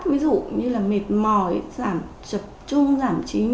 ví dụ như là mệt mỏi giảm trực trung giảm trí nhớ